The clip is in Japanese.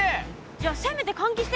じゃあせめて換気してね。